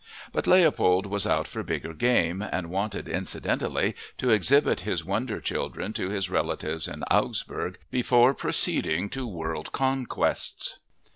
But Leopold was out for bigger game and wanted, incidentally, to exhibit his wonder children to his relatives in Augsburg before proceeding to world conquests.